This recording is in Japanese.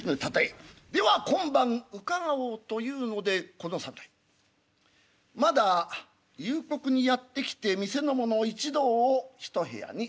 では今晩伺おう」というのでこの侍まだ夕刻にやって来て店の者一同を一部屋に集める。